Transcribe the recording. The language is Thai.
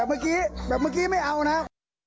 แบบเหมือนกิ่งไม่เอานะฮะ